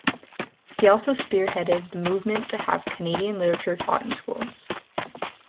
He also spearheaded the movement to have Canadian literature taught in schools.